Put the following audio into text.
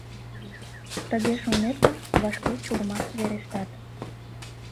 — Тыге шонет гын, вашке чурмаш верештат...